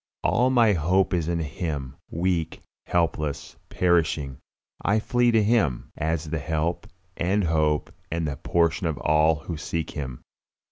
All my hope is in Him; weak, helpless, perishing, I flee to Him, as the help and hope and portion of all who seek Him.